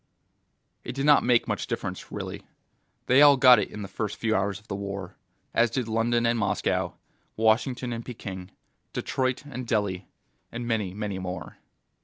It did not make much difference, really. They all got it in the first few hours of the war; as did London and Moscow, Washington and Peking, Detroit and Delhi, and many, many more.